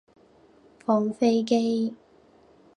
放飛機